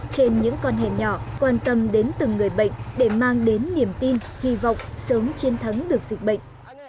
trên những con hẻm nhỏ quan tâm đến từng người bệnh để mang đến niềm tin hy vọng sớm chiến thắng được dịch bệnh